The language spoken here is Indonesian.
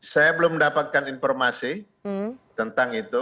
saya belum mendapatkan informasi tentang itu